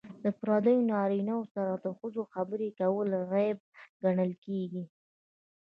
د پردیو نارینه وو سره د ښځو خبرې کول عیب ګڼل کیږي.